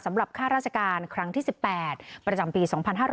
สำหรับข้าราชการครั้งที่๑๘ประจำปี๒๕๖๖